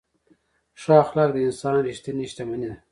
ښه اخلاق د انسان ریښتینې شتمني ده.